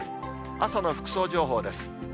朝の服装情報です。